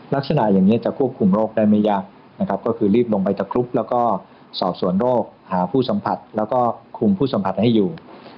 ลักษณะอย่างนี้จะควบคุมโรคได้ไม่ยากนะครับก็คือรีบลงไปตะครุบแล้วก็สอบสวนโรคหาผู้สัมผัสแล้วก็คุมผู้สัมผัสให้อยู่